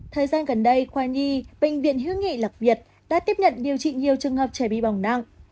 thời gian gần đây khoa nhi bệnh viện hiếu nghị lạc việt đã tiếp nhận điều trị nhiều trường hợp trẻ bị bỏng nặng